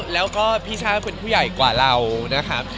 แล้วก็พี่ช่าเป็นผู้ใหญ่กว่าเรานะครับ